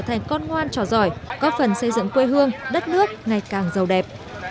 thành con ngoan trò giỏi góp phần xây dựng quê hương đất nước ngày càng giàu đẹp